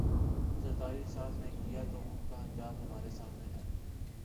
زرداری صاحب نے کیا تو ان کا انجام ہمارے سامنے ہے۔